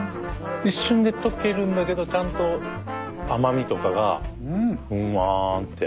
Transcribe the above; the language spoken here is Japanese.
一瞬で溶けるんだけどちゃんと甘みとかがふわんって。